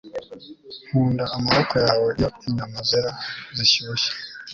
nkunda amaboko yawe iyo inyama zera zishyushye